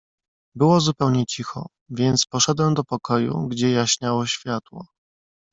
"Było zupełnie cicho, więc poszedłem do pokoju, gdzie jaśniało światło."